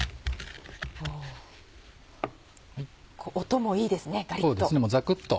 音もいいですねガリっと。